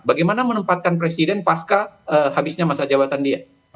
bagaimana menempatkan presiden pasca habisnya masa jabatan dia